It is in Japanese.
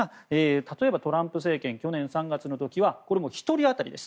例えば、トランプ政権去年３月の時はこれも１人当たりです